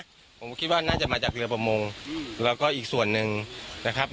ผมก็คิดว่าน่าจะมาจากเรือประมงแล้วก็อีกส่วนหนึ่งนะครับ